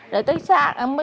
rồi tới xa